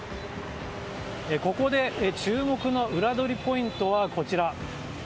ここで注目のウラどりポイントはこちら。